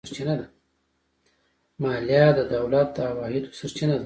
مالیه د دولت د عوایدو سرچینه ده.